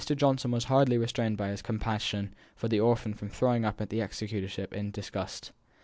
Johnson was hardly restrained by his compassion for the orphan from throwing up the executorship in disgust.